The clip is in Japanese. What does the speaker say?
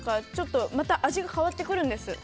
また味が変わってくるんです。